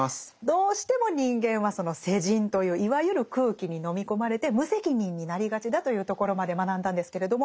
どうしても人間はその世人といういわゆる空気に飲み込まれて無責任になりがちだというところまで学んだんですけれど